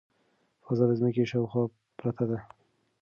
فضا د ځمکې شاوخوا پرته ده.